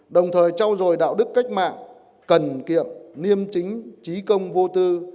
đồng thời trao dồi đạo đức cách mạng cần kiệm liêm chính trí công vô tư